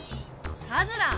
カズラー！